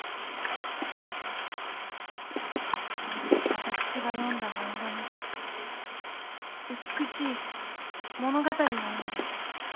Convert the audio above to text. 私が読んだ漫画の美しい物語のように。